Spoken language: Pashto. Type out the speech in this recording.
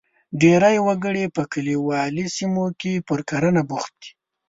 ډېری وګړي په کلیوالي سیمو کې پر کرنه بوخت دي.